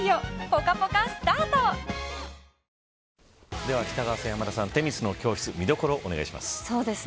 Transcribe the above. では、北川さん、山田さん女神の教室見どころをお願いします。